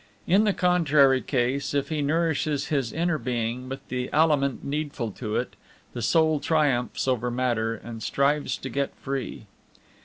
In the contrary case, if he nourishes his inner being with the aliment needful to it, the soul triumphs over matter and strives to get free.